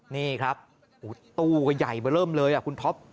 นี่ครับตู้ก็ใหญ่เบอร์เริ่มเลยคุณท็อป